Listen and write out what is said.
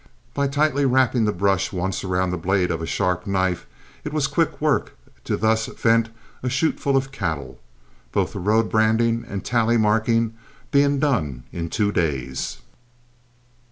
By tightly wrapping the brush once around the blade of a sharp knife, it was quick work to thus vent a chuteful of cattle, both the road branding and tally marking being done in two days.